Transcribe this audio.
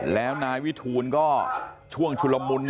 แล้วนายวิทูลก็ช่วงชุลมุน